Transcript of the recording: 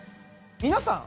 皆さん